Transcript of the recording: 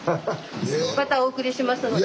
またお送りしますので。